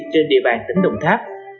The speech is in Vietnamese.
trên địa bàn tỉnh đồng tháp